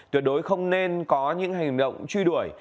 tuyệt đối không nên có những hành động truy đuổi